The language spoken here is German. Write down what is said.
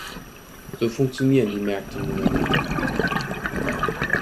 So funktionieren die Märkte nun einmal.